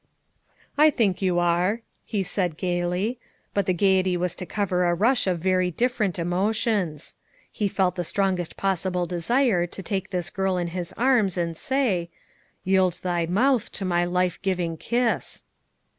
"I think you are," he said gayly; but the gayety was to cover a rush of very different emotions. He felt the strongest possible de sire to take this girl in his arms and say : a c Yield thy mouth to my life giving kiss.'